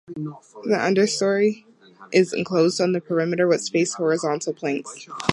The understorey is enclosed on the perimeter with spaced horizontal planks.